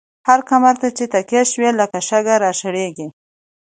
هر کمر ته چی تکیه شوو، لکه شگه را شړیږی